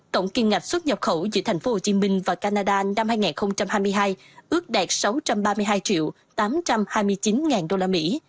tổng kim ngạch xuất nhập khẩu giữa thành phố hồ chí minh và canada năm hai nghìn hai mươi hai ước đạt sáu trăm ba mươi hai triệu tám trăm hai mươi chín ngàn đô la mỹ